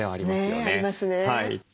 ねえありますね。